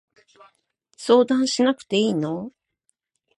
相談しなくていいの？